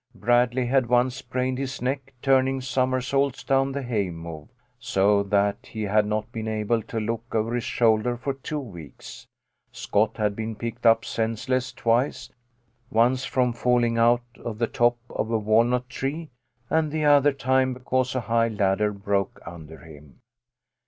Bradley had once sprained his neck turning somersaults down the hay mow, so that he had not been able to look over his shoulder for two weeks. Scott had been picked up senseless twice, once from fall ing out of the top of a walnut tree, and the other time because a high ladder broke under him.